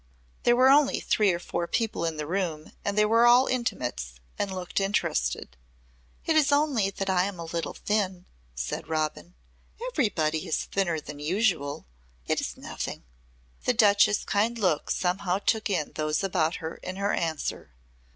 There were only three or four people in the room and they were all intimates and looked interested. "It is only that I am a little thin," said Robin. "Everybody is thinner than usual. It is nothing." The Duchess' kind look somehow took in those about her in her answer.